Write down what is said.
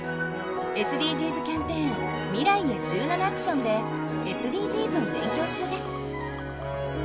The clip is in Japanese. ＳＤＧｓキャンペーン「未来へ１７ａｃｔｉｏｎ」でＳＤＧｓを勉強中です。